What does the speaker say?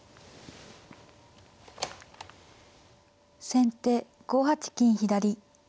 先手５八金左。